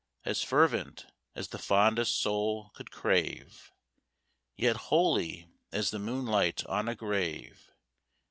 As fervent as the fondest soul could crave, Yet holy as the moonlight on a grave.